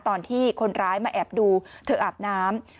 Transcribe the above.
ตอนที่คนร้ายมาแอบดูเธออาบน้ำ